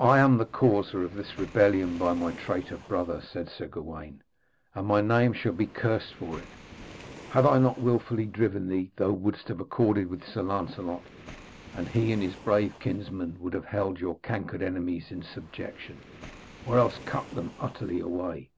'I am the causer of this rebellion by my traitor brother,' said Sir Gawaine, 'and my name shall be cursed for it. Had I not wilfully driven thee, thou wouldst have accorded with Sir Lancelot, and he and his brave kinsmen would have held your cankered enemies in subjection, or else cut them utterly away.